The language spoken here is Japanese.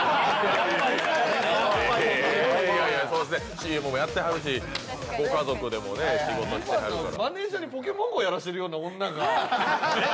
ＣＭもやってはるし、ご家族でも仕事してはるから。